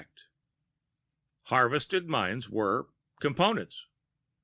The harvested minds were Components.